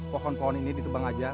pohon pohon ini ditebang aja